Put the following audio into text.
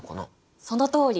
そのとおり！